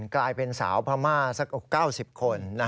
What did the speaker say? กลายเป็นสาวพม่าสัก๙๐คน